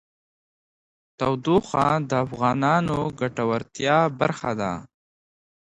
تودوخه د افغانانو د ګټورتیا برخه ده.